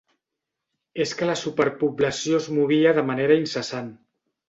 És que la superpoblació es movia de manera incessant.